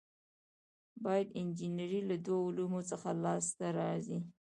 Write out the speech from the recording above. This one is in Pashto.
بایو انجنیری له دوو علومو څخه لاس ته راځي.